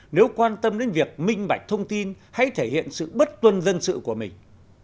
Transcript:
nếu quan tâm đến việc minh bạch thông tin hãy thể hiện sự bất tuân dân sự của mình